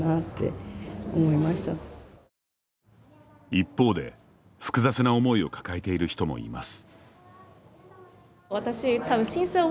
一方で複雑な思いを抱えている人もいます。